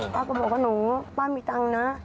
ป๊าก็บอกว่าหนูป๊ามีทั้งนะ